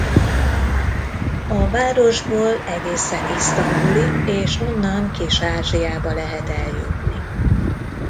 A városból egészen Isztambulig és onnan Kis-Ázsiába lehet eljutni.